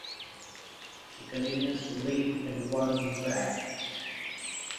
She continues to live and work in Prague.